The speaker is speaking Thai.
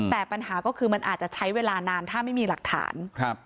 แต่ปัญหาก็คือมันอาจจะใช้เวลานานถ้าไม่มีหลักฐานครับ